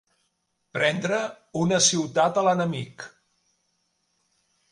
Prendre una ciutat a l'enemic.